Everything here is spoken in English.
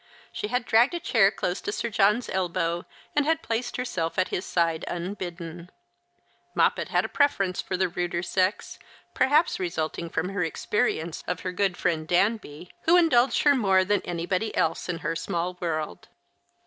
She had dragged a chair close to Sir John's elbow, and had placed herself at his side unbidden. Moppet had a preference for the ruder sex, perhaps resulting from her experience of her good friend Danby, who indulged The Christmas Hirelings. 123 her more than anybody else in her small world.